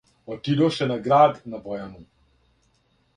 Отидоше на град на Бојану.